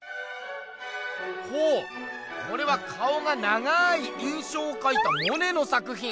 ほうこれは顔が長い「印象」をかいたモネの作品。